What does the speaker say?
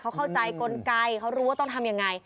เขาเข้าใจกลไกเขารู้ว่าต้องทำยังไง